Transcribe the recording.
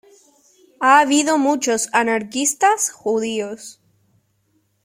Ha habido muchos anarquistas judíos.